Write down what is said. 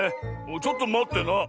ちょっとまってな。